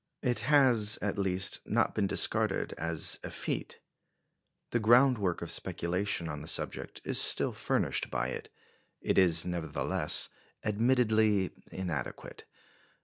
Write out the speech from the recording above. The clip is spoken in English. It has at least not been discarded as effete. The groundwork of speculation on the subject is still furnished by it. It is, nevertheless, admittedly inadequate.